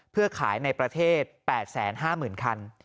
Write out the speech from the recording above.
เพื่อขายในประเทศ๘๕๐๐๐คัน